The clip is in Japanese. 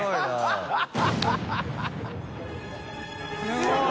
すごい！